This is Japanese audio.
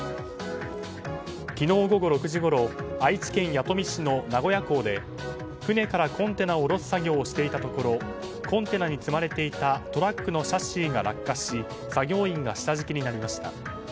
昨日午後６時ごろ愛知県弥富市の名古屋港で船からコンテナを下ろす作業をしていたところコンテナに積まれていたトラックのシャシーが落下し作業員が下敷きになりました。